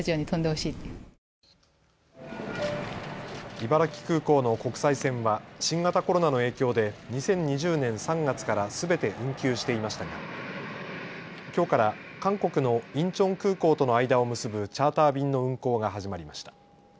茨城空港の国際線は新型コロナの影響で２０２０年３月からすべて運休していましたがきょうから韓国のインチョン空港との間を結ぶチャーター便の運航が始まりました。